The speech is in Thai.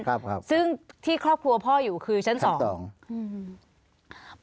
ครับครับซึ่งที่ครอบครัวพ่ออยู่คือชั้นสองอืม